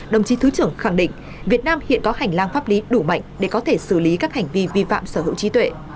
đồng chí thứ trưởng khẳng định việt nam hiện có hành lang pháp lý đủ mạnh để có thể xử lý các hành vi vi phạm sở hữu trí tuệ